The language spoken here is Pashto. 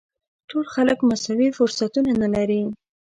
ټول خلک مساوي فرصتونه نه لري.